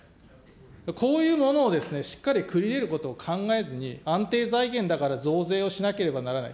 こういうものをしっかり繰り入れることを考えずに、安定財源だから増税をしなければならない。